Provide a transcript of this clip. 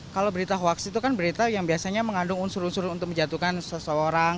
kalau berita hoax itu kan berita yang biasanya mengandung unsur unsur untuk menjatuhkan seseorang